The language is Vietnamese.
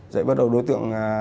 dậy bắt đầu đối tượng